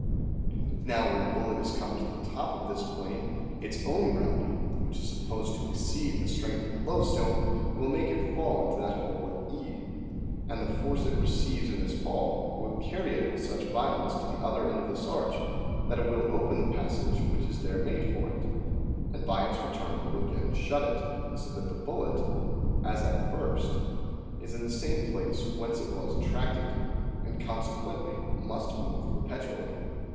Now, when the bullet is come to the top of this plane, its own gravity (which is supposed to exceed 62 THE SEVEN FOLLIES OF SCIENCE the strength of the loadstone) will make it fall into that hole at E; and the force it receives in this fall will carry it with such a violence unto the other end of this arch, that it will open the passage which is there made for it, and by its return will again shut it ; so that the bullet (as at the Fig. 15. first) is in the same place whence it was attracted, and, consequently must move perpetually."